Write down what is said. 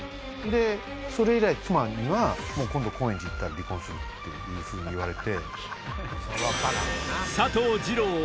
それ以来妻には今度高円寺に行ったら離婚する！ってふうに言われて。